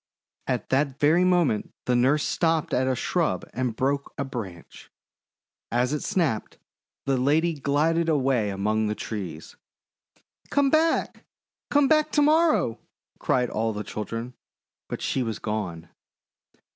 At that very moment the nurse stopped at a shrub and broke a branch. As it snapped, the lady glided away among the trees. "Come back! Come back to morrow!" cried all the children; but she was gone.